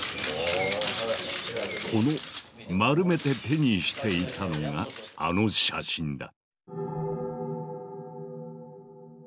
この丸めて手にしていたのがあの写真だ。